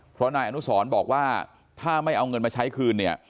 เพราะนายอนุสรบอกว่าถ้าไม่เอาเงินมาใช้คืนเนี่ย